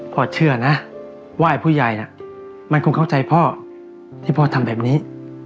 พ่อเชื่อนะว่าไอ้ผู้ใหญ่น่ะมันคงเข้าใจพ่อที่พ่อทำแบบนี้